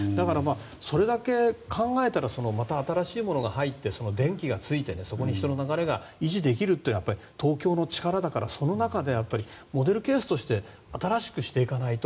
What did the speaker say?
それだけ考えたらまた新しいものが入って電気がついて人の流れが維持できるというのは東京の力だからその中でモデルケースとして新しくしていかないと。